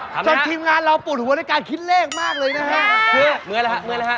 จงทีมงานเราปูดหัวในการคิดเลขมากเลยนะฮะ